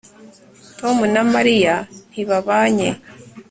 tom na mariya ntibabanye